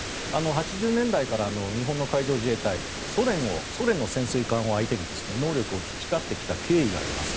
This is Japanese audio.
８０年代から日本の海上自衛隊はソ連の潜水艦を相手に能力を培ってきた経緯があります。